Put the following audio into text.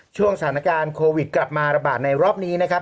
ช่วงสถานการณ์โควิดกลับมาระบาดในรอบนี้นะครับ